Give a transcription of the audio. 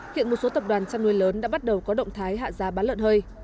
hiện một số tập đoàn chăn nuôi lớn đã bắt đầu có động thái hạ giá bán lợn hơi